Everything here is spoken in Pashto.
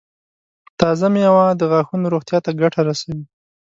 تازه مېوه د غاښونو روغتیا ته ګټه رسوي.